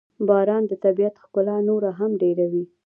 • باران د طبیعت ښکلا نوره هم ډېروي.